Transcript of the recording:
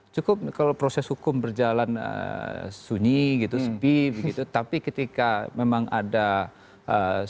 cukup kalau proses hukum berjalan sunyi gitu sepi begitu tapi ketika memang ada sudah ada dua alat bukti